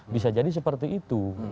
bisa jadi seperti itu